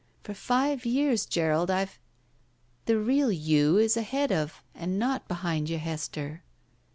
For five years, Gerald, IVe —" The real you is ahead of — ^and not behind you, Hester."